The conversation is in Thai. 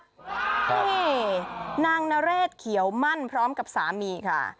นี่นางนเรศเขียวมั่นพร้อมกับสามีค่ะ